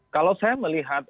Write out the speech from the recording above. kalau saya melihat